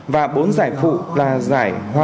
và bốn giải phụ là giải hoa